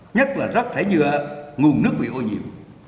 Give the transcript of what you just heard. nhất là rắc thể nhựa nguồn nước bị ô nhiễm